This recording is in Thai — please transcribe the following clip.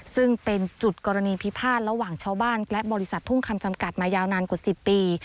ซึ่งเป็นจุดกรณีพิพาทระหว่างชาวบ้านและบริษัททุ่งคำจำกัดมายาวนานกว่า๑๐ปี